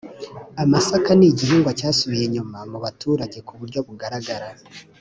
Amasaka nigihingwa cyasubiye inyuma mubaturage kuburyo bugaragara